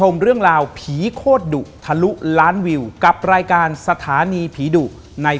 ฟันดีผีไม่หลอกทุกคนสวัสดีครับ